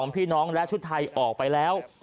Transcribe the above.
พี่น้องและชุดไทยออกไปแล้ว